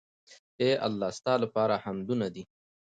اې الله ! ستا لپاره حمدونه دي